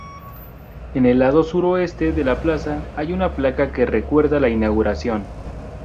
En el lado suroeste de la plaza hay una placa que recuerda la inauguración.